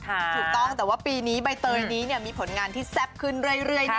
ถูกต้องแต่ว่าปีนี้ใบเตยนี้เนี่ยมีผลงานที่แซ่บขึ้นเรื่อยนะ